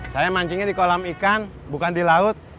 saya mancingnya di kolam ikan bukan di laut